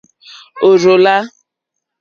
Ò rzô lá.